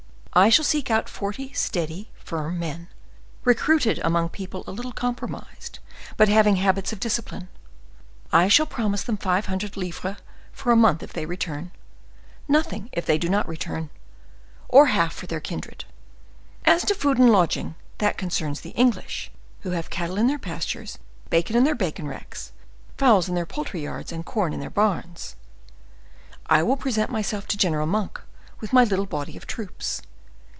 I shall seek out forty steady, firm men, recruited among people a little compromised, but having habits of discipline. I shall promise them five hundred livres for a month if they return; nothing if they do not return, or half for their kindred. As to food and lodging, that concerns the English, who have cattle in their pastures, bacon in their bacon racks, fowls in their poultry yards, and corn in their barns. I will present myself to General Monk with my little body of troops.